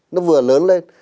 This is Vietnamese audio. nó vừa lớn lên